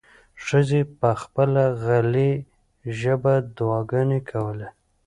ښځې په خپله غلې ژبه دعاګانې کولې.